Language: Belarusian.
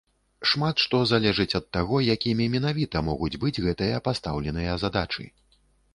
Шмат што залежыць ад таго, якімі менавіта могуць быць гэтыя пастаўленыя задачы.